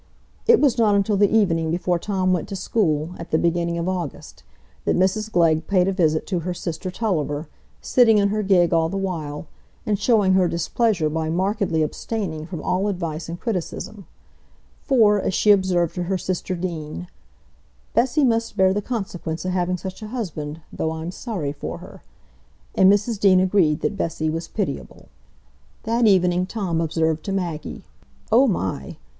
It was not until the evening before Tom went to school, at the beginning of August, that Mrs Glegg paid a visit to her sister Tulliver, sitting in her gig all the while, and showing her displeasure by markedly abstaining from all advice and criticism; for, as she observed to her sister Deane, "Bessy must bear the consequence o' having such a husband, though I'm sorry for her," and Mrs Deane agreed that Bessy was pitiable. That evening Tom observed to Maggie: "Oh my!